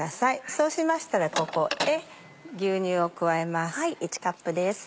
そうしましたらここへ牛乳を加えます。